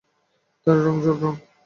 তেল রং, জল রং?